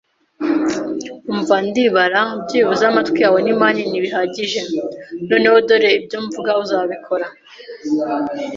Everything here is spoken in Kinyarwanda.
umva, ndibara; byibuze, amatwi yawe ni manini bihagije. Noneho, dore ibyo mvuga: uzabikora